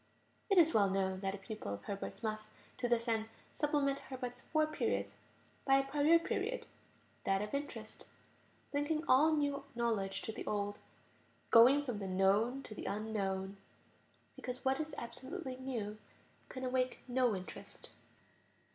It is well known that a pupil of Herbart's must, to this end, supplement Herbart's four periods by a prior period, that of interest; linking all new knowledge to the old, "going from the known to the unknown," because what is absolutely new can awake no interest.